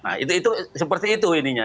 nah itu seperti itu ininya